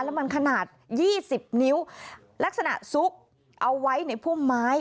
แล้วมันขนาด๒๐นิ้วลักษณะซุกเอาไว้ในพุ่มไม้